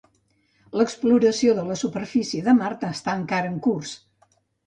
L'exploració de la superfície de Mart està encara en curs.